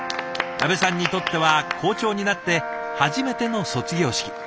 安部さんにとっては校長になって初めての卒業式。